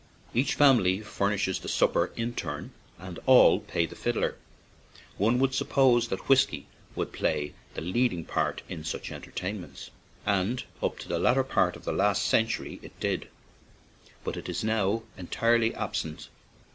Each family furnishes the supper in turn, and all " pay the fiddler/' One would suppose that whiskey would play the leading part in such entertainments; and up to the lat ter part of the last century it did, but it is now entirely absent.